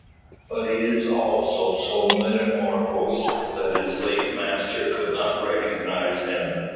But he is also so metamorphosed, that his late master could not recognise him.